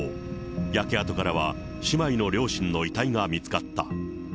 焼け跡からは姉妹の両親の遺体が見つかった。